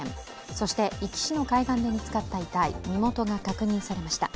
そして壱岐市の海岸で見つかった遺体、身元が確認されました。